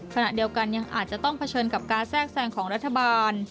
ขณะเดียวกันยังอาจจะต้องเผชิญกับการแทรกแทรงของรัฐบาล